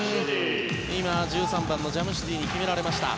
今、１３番のジャムシディに決められました。